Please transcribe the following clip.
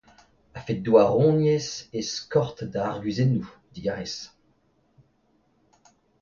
A-fet douaroniezh eo skort da arguzennoù, digarez.